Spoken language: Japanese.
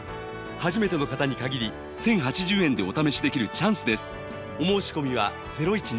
初めての方に限り１０８０円でお試しできるチャンスです